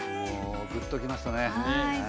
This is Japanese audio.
ぐっときましたね。